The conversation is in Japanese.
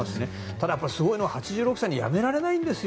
ただ、すごいのは８６歳で辞められないんですよ